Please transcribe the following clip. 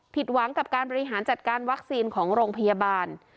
หวังกับการบริหารจัดการวัคซีนของโรงพยาบาล